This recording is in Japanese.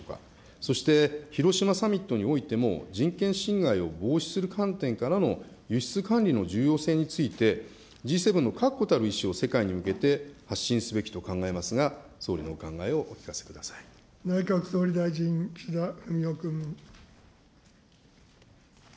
そして、広島サミットにおいても、人権侵害を防止する観点からの輸出管理の重要性についてＧ７の確固たる意志を世界に向けて発信すべきと考えますが、総理のお考え内閣総理大臣、岸田文雄君。